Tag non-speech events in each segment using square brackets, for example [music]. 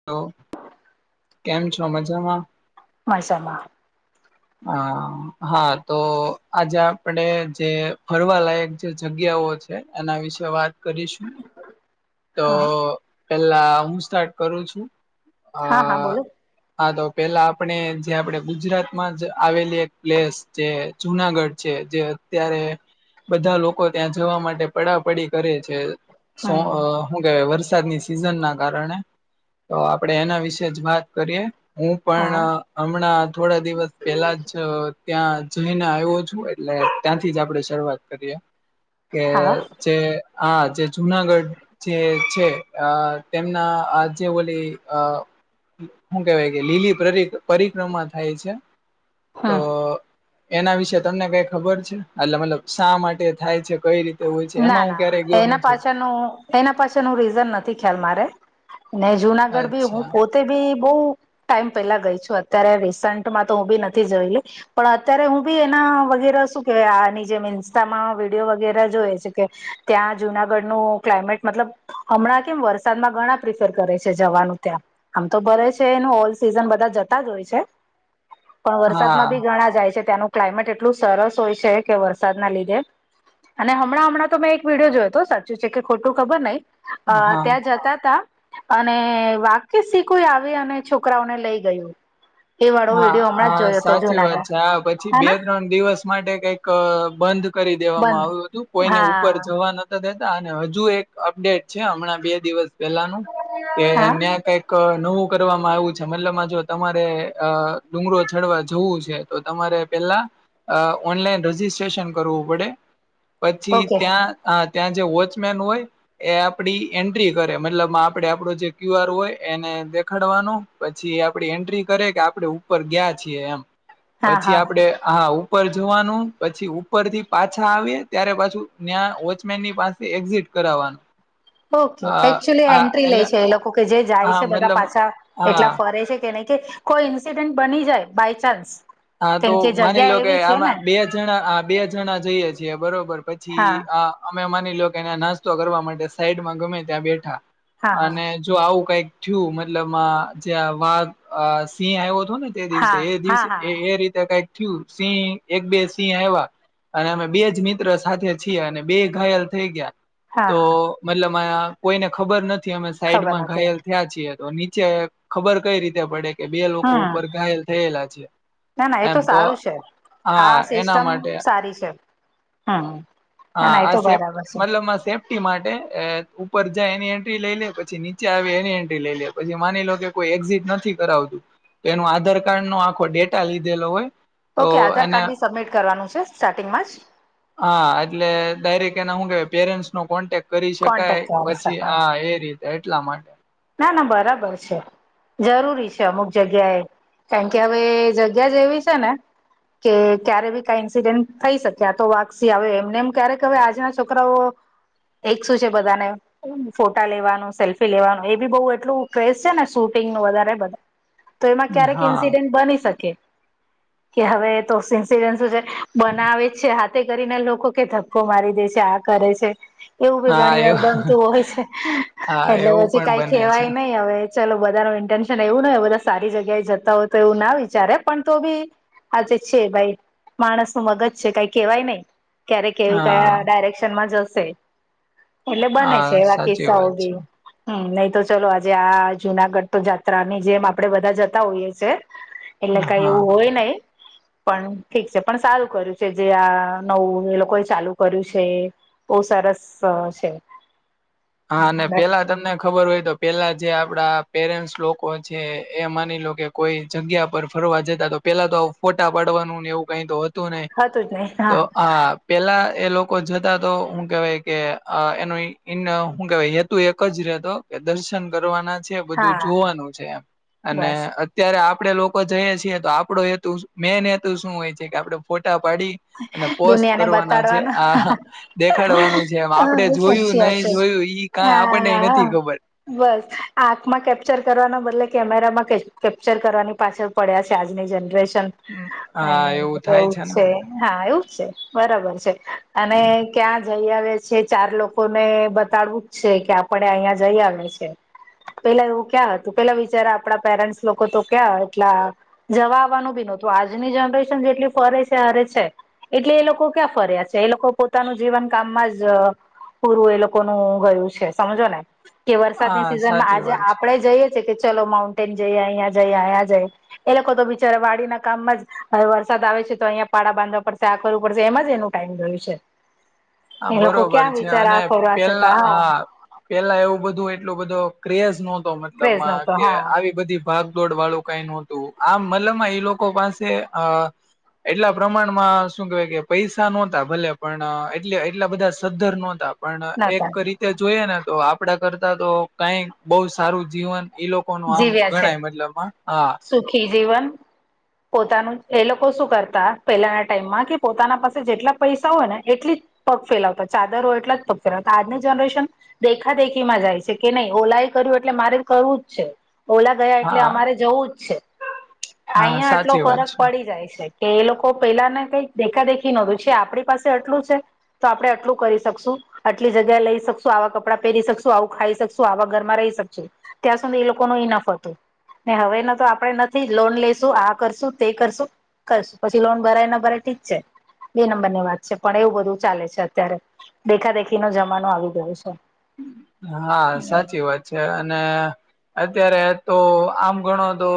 હ ઓ કેમ છો મજામાં. મજામાં. હ હા તો આજે આપણે જે ફરવાલાયક જે જગ્યાઓ છ એ એના વિશે વાત કરીશું. તો હા પેલા હું સ્ટાર્ટ કરું છું હા હા આ બોલો હા તો પેલા આપણે જે આપડે ગુજરાત માં જ આવેલી એક પ્લેસ છે જે જુનાગઢ છે જે અત્યારે બધા લોકો ત્યાં જવા માટે પડાપડી કરે છે સો હમ અ હુ કે વરસાદની સિઝન ના કારણે તો આપડે એના વિશે જ વાત કરીએ. હું પણ હા હમણાં થોડા દિવ પેલા જ ત્યાં જઈને આયવો છું એટલે ત્યાંથી જ આપણે શરૂઆત કરીએ. કે હા જે આ જે જુનાગઢ જે છે અ તેમના આજે ઓલી અ હું કેવાય કે લીલી પરીક પરિક્રમા થાય છે. તો હમ એના વિશે તમને કાઈ ખબર છે એટલે મલબ શા માટે થાય છે કઈ રી ના ના એના પાછળનું એના પાછળ નું રીઝન નથી ખ્યાલ મારે ને જુનાગઢ ભી અચ્છા હું પોત તે બી બહું ટાઈમ પેલા ગઈ છું અત્યારે રિસન્ટમાં તો હું બી નથી જોયલી. પણ અત્યારે હું બી એના વગેરે શું કે આ આની જેમ ઇન્સ્ટામાં વિડીયો વગેરે જોએ જગ્યે ત્યાં જુનાગઢ નું ક્લાઇમેટ મતલબ હમણાં કેમ વરસાદમાં ઘણા પ્રિફર કરે છે જવાનું ત્યાં આમ તો ભરે છે એનું ઓલ સિઝન બધા જતા જ હોય છે. [inaudible] પણ વરસાદમાં બી ઘણા જાય છે ત્યાંનું ક્લાઇમેટ એટલું સરસ હોય છે કે વરસાદના લીધે અને હમ મણાં હમણાં તો મેં એક વિડીયો જોયો હતો સાચું છે કે ખોટું ખબર નહી અ હા ત્યાં જતા તા અને વાક્ય શી કોઈ આવી અને છોકરાઓને લઈ ગયું. એ વાળો હા વિડીયો હમણાં જ હા જોયો હતો સાચી વાત જુનાગઢ છે હા પછી બે હેના ત્રણ દિવસ માટે કઈક બંધ કરી દેવામાં બંધ આવ્યું હતું કોઈને ઉપર હા જવા નથ કર દેતા અને હજુ એક અપડેટ છે હમણાં બે દિવસ પહેલાનું કે હા ન્યા કઈક ક નવું કરવામાં આયવું છે મતલબમાં જો તમારે અ ડુંગરો ચડવા જવું છે તો તમારે પેલા અ ઓનલાઈન રજિસ્ટ્રેશન કરવું પડે, પછી ઓકે ત્યાં અ ત્યાં જે વોચમેન હોય એ આપડી એન્ટ્રી કરે મતલબમાં આપડે આપડો જે ક્યુ આર હોય એને દેખાડવાનું પછી આપડી એન્ટ્રી કરે કે આપડે ઉપર ગયા છીએ એમ. હા પછી હા આપડે હા ઉપર જોવાનું પછી ઉપર થી પાછા આવીએ ત્યારે પાછું ન્યા વોચમેન ની પાસ એ એક્ઝિટ કરાવાનું ઓકે એકચુલી એન્ટ્રી લે છે એ લોકો કે જે જાય હા છે બધા મતલબ પાછા હા એટલા ફરે છે કે નઈ કે કોઈ ઇન્સિડેન્ટ બની જાય બાય ચાન્સ હા તો કેમ કે માની જગ્યા લો કે એવી છે ને આમાં બે જણા આ બે જણા જઈએ છીએ બરોબર પછી હા આ અમે માની લ્યો કે એને નાસ્તો કરવા માટે સાઈડમાં ગમે ત્યાં બેઠા, હા હા અને જો આવું કઈક થયું મતલબ માં જે આ વાઘ આ સિંહ આઇવો તો ને? એ દિવસે હા એ હા દિવસે હા એ રીતે કઈક થયું, સિંહ એક બે સિંહ આઈવા અને અમે બે જ મિત્ર સાથે છીએ અને બે ઘાયલ થઈ ગ્યા. તો હા મતલબમાં કોઈને ખબર નથી અમે ખબર સાઈડમાં નથી ઘાયલ થ્યા છીએ તો નીચે ખબર કઈ રીતે પડે કે બે લોકો હમ ઉપર ઘાયલ થયેલા છે? ના ના એ તો સારું છે, હા આ એના સિસ્ટમ માટે સારી છે. હમ્મ. હા, આ સેપ મતલબ આ સેપ ટી માટે એ ઉપર જાય એની એન્ટ્રી લઈ લે પછી નીચે આવી એની એન્ટ્રી લઈ લે. પછી માની લો કે કોઈ એક્ઝિટ નથી કરાવતું એનું આધાર કાર્ડ નો આખો ડેટા લીધેલો હોય તો ઓકે આધાર એને કાર્ડ બી સબમિટ કરવાનું છે સ્ટાર્ટિંગ માં જ? હા એટલે દાયરેક્ટ એને હું કે પેરેન્ટસ નો કોન્ટેક કરી શકાય કોન્ટેક્ટ કરી પછી શકાય આ એ રીતે, એટલા માટે. ના ના બરાબર છે. જરૂરી છે અમુક જગ્યાએ. કારણ કે હવે જગ્યા જેવી છે ને કે ક્યારે બી કાઈ ઇન્સિડેન્ટ થઈ શકે આતો વાઘ સિંહ આવે એમ નેમ ક્યારેક હવે આજના છોકરાઓ એક શું છે બધાને, ઓ ફોટા લેવાનું, સેલ્ફી લેવાનું એ બી બહુ એટલું ક્રેઝ છે ને શૂટિંગ નું વધારે બધા તો એમાં ક્યારેક હા ઇન્સિડેન્ટ બની સકે. કે હવે તો સિન્સિડેન્ટ શું છે બનાવે જ છે હાથે કરીને લોકો કે ધક્કો મારી દે છે, આ કરે છે. એવું બી હા ઘણી એ વાર બનતું હોય છે. હા એટલે એવું પછી પણ કઈ બને છે કહેવાય નહી હવે ચલો બધાનું ઇન્ટન્શન એવું ન હોય, બધા સારી જગ્યાએ જતા હોય તો એવું ના વિચારે પણ તો બી આજે છે ભાઈ માણસ નું મગજ છે, કાઈ કેવાય નહી. ક્યારેક કેવી હા કયા ડાયરેક્શનમાં જશે, એટલે બને હા છે એવા સાચી કિસ્સાઓ વાત છે બી. હમ્મ, નહી તો ચલો આજે આ જુનાગઢ તો જાત્રાની જેમ આપડે બધા જતા હોઈએ છે. એટલે કઈ હા એવું હોય નઈ પણ ઠીક છે પણ સારું કર્યું છે જે આ નવું એ લોકો એ ચાલુ કર્યું છે એ બો સરસ અ છે. હા અને પેલા તમને ખબર હોય તો પેલા જે આપડા પેરેન્ટ્સ લોકો છે એ માની લો કે કોઈ જગ્યા પર ફરવા જતા તો પેલા તો આવું ફોટા પાડવાનું ને એવું કઈ તો હ તું નઈ, હતું જ નહી તો હા આ પેલા એ લોકો જતા તો હું કેવાય કે અ એનું ઈ ઇન હું કેવાય હેતુ એક જ રેતો કે દર્શન કરવાના છે બધું હા જોવાનું છે એમ અને બસ અત્યારે આપડે લોકો જઈએ છીએ તો આપડો હેતુ, મેન હેતુ શું હોય છે કે આપડે ફોટા પાડી અને પોસ્ટ દુનિયાને કરવાના છે. બતાડવાના આ દેખાડવાનું છે એમ આપડે હ જોયું સાચી વાત નહી છે જોયું ઈ કાય આપણનેઈ નથી હા ખબર. બસ આંખમાં કેપ્ચર કરવાના બદલે કેમેરામાં કે કેપ્ચર કરવાની પાછળ પડ્યા છે આજની જનરેશન અ હા થાય એવું જ ને છે. હા, એવું જ છે બરાબર છે. અને ક્યાં જઈ આવે? જે ચાર લોકો ને બતાડવું જ છે કે આપણે અહિયાં જઈ આવ્યા છે. પેલા એવું ક્યાં હતું? પેલા વિચારા, આપણા પેરેન્ટ્સ લોકો તો ક્યાં આટલા જવા આવવાનું બી નહોતું. આજની જનરેશન જેટલી ફરે છે હરે છે એટલે એ લોકો ક્યાં ફર્યા છે, એ લોકો પોતાનું જીવન કામમાં જ પૂરું એ લોકોનું ગયું છે સમજો ને, કે વરસાદની હા સિઝનમાં સાચી આજે વાત છે આપણેે જ જઈએ છે કે ચલો માઉન્ટેન જઈએ, અહીંયા જઈએ, અહીંયા જઈયે એ લોકો તો બિચારા વાડીના કામમાં જ, હવે વરસાદ આવે છે તો અહિયા પાળડા બાંધવા પડશે, આ કરવું પડશે, એમાં જ એનું ટાઈમ ગયું છે. હા એ લોકો બરોબર ક્યાં છે વિચાર અને આ, ફરવા પેલા જતા હા. પેલા એવું બધું એટલું બધો ક્રેઝ નહતો, ક્રેઝ મતલબમાં નતો કે હા આવી બધી ભાગદોડ વાળું કઈ નતું, આ મલમાં એ લોકો પાસે અ એટલા પ્રમાણમાં શું કેવાય કે, પૈસા નહોતા ભલે પણ. એ એટલા બધા સદ્ધર નહોતા, પણ એક નતા રીતે જોઈએ ને તો, આપડા કરતા તો કંઈક બહુ સારું જીવન. એ લોકો નું આમ જીવ્યા છે ગણાય, મતલબમાં હા. સુખી જીવન. પોતાનું એ લોકો શું કરતા પેલાના ટાઈમમાં, કે પોતાના પાસે જેટલા પૈસા હોય ને એટલી જ પગ ફેલાવતા ચાદર હો એટલા જ પગ ફેલાવતા, આજની જનરેશન દેખા દેખી માં જાય છે કે નહીં? ઓલા એ કર્યું એટલે મારે કરવું જ છે, ઓલા. ગયા એટલે હા અમારે જવું જ છે હા અહિયાં, આટલો સાચી વાત ફરક છે પડી જાય છે. કે એ લોકો પેલા ને કંઈક દેખા દેખી નહોતું, છે આપણી પાસે આટલું છે. તો આપણે આટલું કરી શકશું. આટલી જગ્યા લઈ શકશું, આવા કપડાં પહેરી શકશું, આવું ખાઈ શકશું, આવા ઘરમાં રહી શકશું. ત્યાં સુધી એ લોકો નું ઇનાફ હતું. ને હવે તો આપડે નથી લોન લઈશું, આ કરશું, તે કરશું. કરશું, પછી લોન ભરાય ન ભરાય ઠીક છે. બે નંબર ની વાત છે, પણ એવું બધું ચાલે છે અત્યારે. દેખાદેખી નો જમાનો આવી ગયો છે. હા, સાચી વાત છે. અને અત્યારે તો આમ ઘણો, તો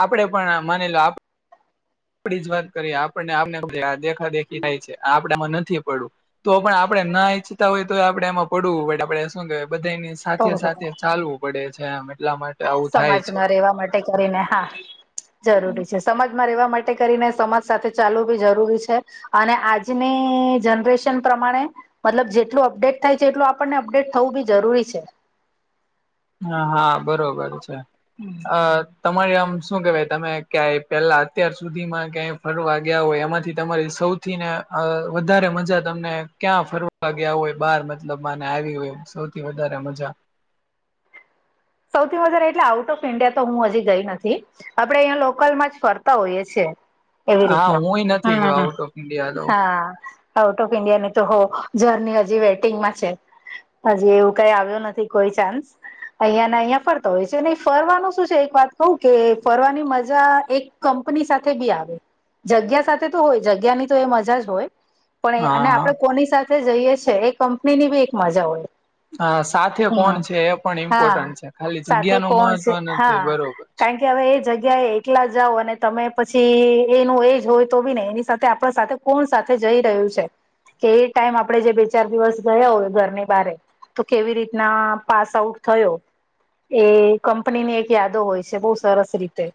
આપડે પણ માની લો. આપડી જ વાત કરીએ, આપને આપને દેખાદેખી થાય છે. આપડમાં નથી પડવું. તો પણ આપડે ના ઈચ્છતા હોય તો, આપડે એમાં પડવું. બટ આપે શું કેવાય બધાની. તો સાથે સાથે ચાલવું પડે છે એમ એટલા માટે. આવું થાય છે. સમાજમાં રહેેવા માટે કરીને, હા, જરૂરી છે. સમાજમાં રહેવા માટે કરીને, સમાજ સાથે ચાલવું બી જરૂરી છે. અને આજની જનરેશન પ્રમાણે મતલબ જેટલું અપડેટ થાય છે એટલું આપણને અપડેટ થવું બી જરૂરી છે. હા હા, બરોબર છે અ. તમારે આમ શું કેહેવાય, તમે ક્યાંય પેલા અત્યાર સુધીમાં ક્યાંય ફરવા ગયા હોય, એમાંથી તમારી સૌથી ને વધારે મજા તમને ક્યાં ફરવા ગયા હોય બહાર, મતલબ માને આવી હોય. સૌથી વધારે મજા. સૌથી વધારે એટલે, આઉટ ઓફ ઈન્ડિયા તો હું હજી ગઈ નથી. આપડે અહીંયા લોકલમાં જ ફરતા હોઈએ છેીએ. એવી હા રીતના, હું નથી ગયો હમ આઉટ ઓફ ઇન્ડિયા તો હા. આઉટ ઓફ ઈન્ડિયા ની તો હો જર્ની હજી વેટિંગમાં છે. હજી એવું કઈ આવ્યો નથી, કોઈ ચાન્સ. અહિયાં ના અહિયાં ફરતો હોય છે ને, ફરવાનું શું છે? એક વાત કવું કે, ફરવાની મજા એક કંપની સાથે બી આવે, જગ્યા સાથે તો હોય. જગ્યા ની તો એ મજા જ હોય. પણ એ, હા અને હા આપણે કોની સાથે જઈએ છીએ એ કંપની ની બી એક મજા હોય. હ, સાથે કોણ હમ છે એ પણ હા ઇમ્પોર્ટન્ટ છે. ખાલી સાથે જગ્યા નુ કોણ મહત્વ છે નથી, હા બરોબર છે. કે કારણ હવે એ જગ્યા એ એલા જાઓ, અને તમે પછી એનું એજ હોય તો બી ને, એની સાથે આપણા સાથે. કોણ સાથે જઈ રહ્યું છે કે એ ટાઈમ આપડે જે બે ચાર દિવસ ગયા હોય ઘરની બારે. તો કેવી રીતના પાસ આઉટ થયો. એ કંપનીની એક યાદો હોય છે, બહુ સરસ રીતે.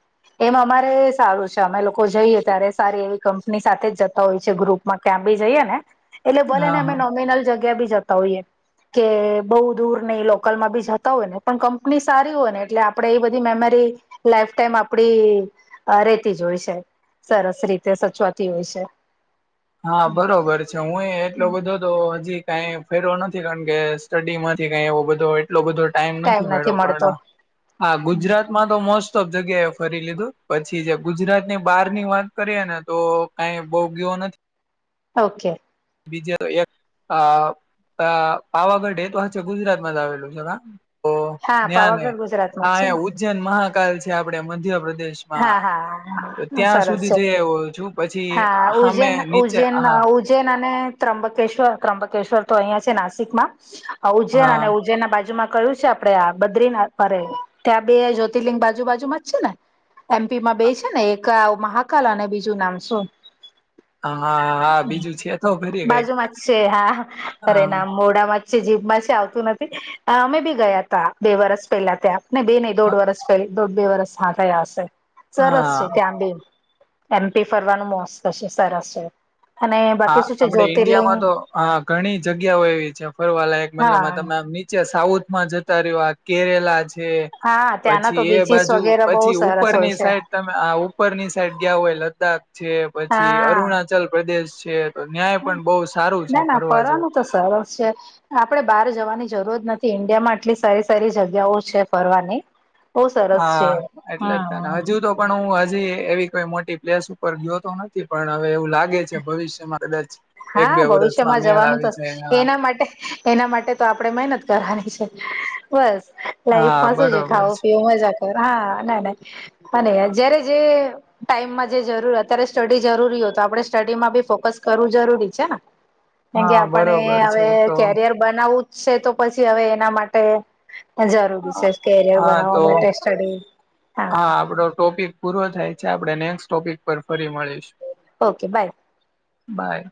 એમ અમારે સારું છે, અમે લોકો જઈએ ત્યારે સારી એવી કંપની સાથે જ જતા હોય છે, ગ્રુપ. માં ક્યાં બી જઈએ ને. એટલે ભલે હા ને અમે હા નોમિનલ જગ્યા બી જતા હોઈએ, કે બહુ દૂર નઈ, લોકલમાં બી જ. તો ને પણ કંપની સારી હોય ને એટલે આપણેે એ બધી મેમરી લાઈફ ટાઈમ આપડી અ રેતી જ હોય છે, સરસ રીતે સચવાતી હોય છે. હા બરોબર છે. હું એ એટલો બધો તો હજી કઈ ફેરયો નથી કારણ કે સ્ટડી માંથી કઈ એવો બધો હોય એટલો બધો ટાઈમ નથી મયડો પણ હા ગુજરાત ગુજરાતમાં તો મોસ્ટ ઓફ જગ્યાએ ફરી લીધું પછી જે ગુજરાત ની બહાર ની વાત કરીએ ને તો કઈ બો ગીયો નથી. ઓકે. બીજે રો એક આ અ પાવાગઢ એ તો હચે ગુજરાત માં જ આવેલું છે કા. તો હા ન્યા નહ પાવાગઢ ગુજરાતમાં જ છે હા ને ઉજ્જૈન, મહાકાલ છે આપડે મધ્યપ્રદેશ. હા હા સરસ છે. આવ્યો છું પછી હા હામે ઉજ્જૈન નીચે ઉજ્જૈન અ હા ઉ ઉજ્જૈન અને ત્ર્યબકેશ્વર, ત્ર્યંબકેશ્વર તો અહિયાં છે નાસિકમાં. હા ઉજ્જૈન અને ઉજજૈન ના બાજુમાં કયું છે. આ આપડે આ બદ્રીનાથ મારે ત્યાં બે જ્યોતિર્લિંગ બાજુ બાજુમાં જ છે ને. એમ પી માં બે છે ને એક મહાકાલ અને બીજું નામ શું? હા હા બીજું છે તો ફરી કઈક બાજુમાં જ છે હા પરે હા ના મોઢા માં છે, જીભમાં છે આવતું નથી અમે બી ગયા તા બે વરસ પેલા ત્યાં. ના બે નહીં દોઢ વરષ પલી દોઢ બે વરસ હા થયા હશે સરસ હા છે ત્યાં બે. એમ પી ફરવાનું મોસ્ત છે, સરસ છે. અને હા બાકી શું છે આપડે ઈન્ડિયામાં જ્યોતિર્લિંગ તો અ ઘણી જગ્યાઓ એવી છે ફરવાલાયક મતલબમાં હા તમે આ મીત છે, સાઉથ માં જતા રહ્યો આ કેરેલા છે. હા. ત્યાંના પછી તો એ બીચીસ બાજુ વગેરે બહુ પછી સરસ હોય ઉપરની છે સાઈડ તમે આ ઉપરની સાઈડ ગયા હોય લદ્દાખ છે પછી હા અરુણાચલ પ્રદેશ છે તો ત્યાંય પણ બો સારું છે ના ના ફરવા જેવું. ફરવાનું તો સરસ છે. આપણે બહાર જવાની જરૂરત નથી ઈન્ડિયામાં આટલી સારી સારી જગ્યાઓ છે ફરવાની. બો સરસ હા છે. એટલે જ હા તને હા. હજુ તો પણ હું હજી એવી કોઈ મોટી પ્લેસ ઉપર ગીયો તો નથી પણ હવે એવું લા લાગે છે ભવિષ્યમાં કદાચ એક હા બે વર્ષમાં ભવિષ્યમાં મેળ જવાનું આવી જાય થશે હા એના માટે એના માટે તો આપણેે મહેનત કરવાની છે. બસ હા લાઈફમાં શું છે બરોબર ખાવુ, પીવુ, મજા પર હા નાય નાય અને જયારે જે ટાઈમમાં જે જરૂર અત્યારે સ્ટડી જરૂરી હોય તો આપણે સ્ટડી માં બી ફોકસ કરવું જરૂરી છે હા કેમ કે હા આપડે બરોબર હવે છે તો કેરયર બનાવવું જ છે તો પછી હવે એના માટે જરૂરી છે કેરિયર હા બનાવવા માટે સ્ટડી હા. આપણો ટોપિક પૂરો થાય છે આપણે નેક્સ્ટ ટોપિક પર ફરી મળીશ. Okay bye. બાય.